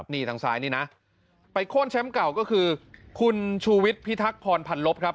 นี่ทางซ้ายนี่นะไปโค้นแชมป์เก่าก็คือคุณชูวิทย์พิทักษ์พรพันลบครับ